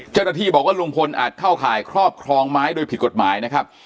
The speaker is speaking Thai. เจ้าหน้าที่บอกว่าลุงพลอาจเข้าข่ายครอบครองไม้โดยผิดกฎหมายนะครับ